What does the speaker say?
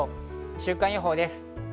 週間予報です。